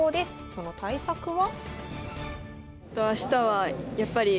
その対策は？